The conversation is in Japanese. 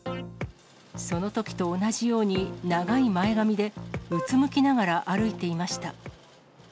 そのときと同じように長い前髪で、うつむきながら歩いていました。